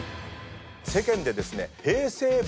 世間でですね。